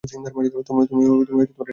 তুমি এটা করতে পারবে।